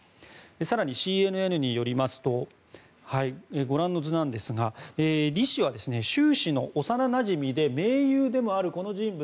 更にＣＮＮによりますとご覧の図なんですがリ氏は習氏の幼なじみで盟友でもあるこの人物